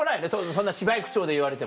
そんな芝居口調で言われてもね。